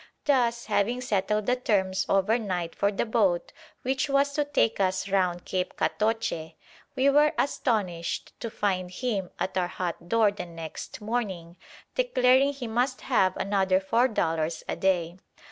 Thus, having settled the terms overnight for the boat which was to take us round Cape Catoche, we were astonished to find him at our hut door the next morning declaring he must have another four dollars a day.